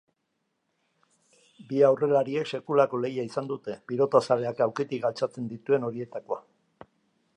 Bi aurrelariek sekulako lehia izan dute, pilotazaleak aulkitik altxatzen dituen horietakoa.